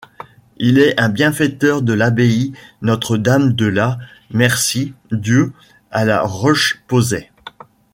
Il est un bienfaiteur de l’abbaye Notre-Dame de la Merci-Dieu à La Roche-Posay.